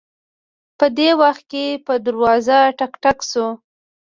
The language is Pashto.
په دې وخت کې په دروازه ټک ټک شو